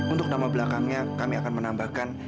untuk nama belakangnya kami akan menambahkan